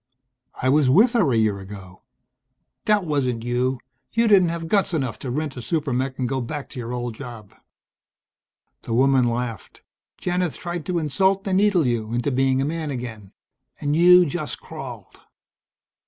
"I was with her a year ago." "That wasn't you. You didn't have guts enough to rent a super mech and go back to your old job." The woman laughed. "Janith tried to insult and needle you into being a man again. And you just crawled."